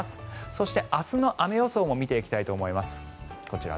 そして、明日の雨予想も見ていきたいと思います。